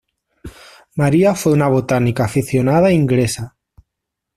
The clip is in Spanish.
María fue una botánica aficionada inglesa.